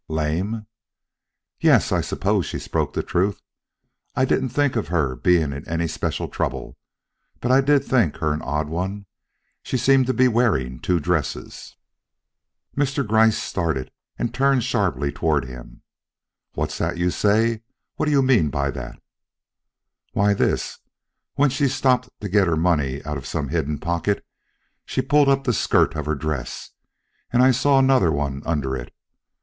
"Lame?" "Yes; I suppose she spoke the truth. I didn't think of her being in any special trouble, but I did think her an odd one. She seemed to be wearing two dresses." Mr. Gryce started and turned sharply toward him. "What's that you say? What do you mean by that?" "Why, this: when she stopped to get her money out of some hidden pocket, she pulled up the skirt of her dress, and I saw another one under it.